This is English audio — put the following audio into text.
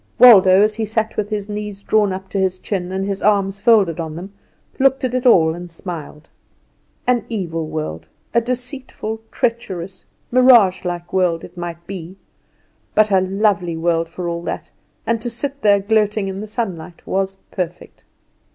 Waldo, as he sat with his knees drawn up to his chin and his arms folded on them, looked at it all and smiled. An evil world, a deceitful, treacherous, mirage like world it might be; but a lovely world for all that, and to sit there gloating in the sunlight was perfect.